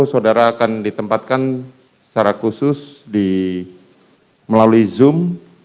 saudara akan ditempatkan secara khusus melalui zoom